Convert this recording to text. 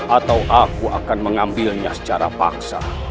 atau aku akan mengambilnya secara paksa